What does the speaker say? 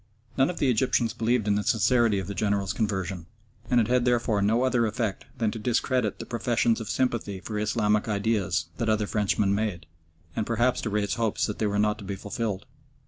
None of the Egyptians believed in the sincerity of the General's conversion, and it had therefore no other effect than to discredit the professions of sympathy for Islamic ideas that other Frenchmen made, and perhaps to raise hopes that were not to be fulfilled.